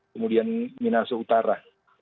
kemudian minaso utara